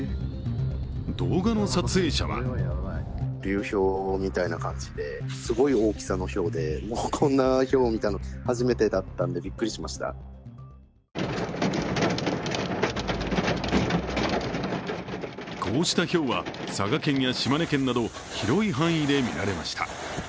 動画の撮影者はこうしたひょうは、佐賀県や島根県など広い範囲でみられました。